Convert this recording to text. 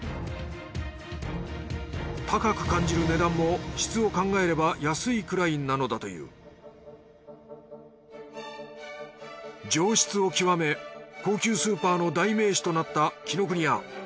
高く感じる値段も質を考えれば安いくらいなのだという上質を極め高級スーパーの代名詞となった紀ノ国屋。